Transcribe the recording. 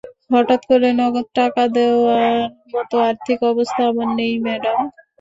হঠাৎ করে নগদ টাকা দেওয়ার মতো আর্থিক অবস্থা আমার নেই, ম্যাডাম।